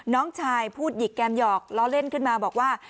น้องชายพูดหยิกแกมหยอกล้อเล่นขึ้นมาบอกว่า